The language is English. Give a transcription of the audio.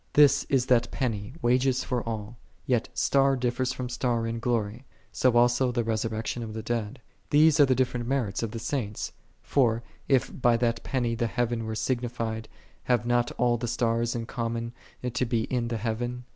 3 This is that penny, wages for all. Yet " star differeth from star in ^lory; so also the resurrection of the dead."3 These are the different merits of the Saints. For, if by that penny the heaven were signified, have not all the stars in common to be in the heaven?